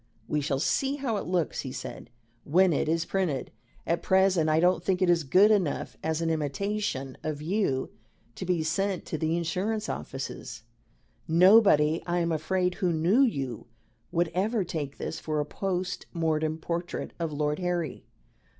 "We shall see how it looks," he said, "when it is printed. At present I don't think it is good enough as an imitation of you to be sent to the insurance offices. Nobody, I am afraid, who knew you, would ever take this for a post mortem portrait of Lord Harry.